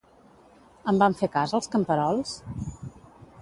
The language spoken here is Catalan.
En van fer cas, els camperols?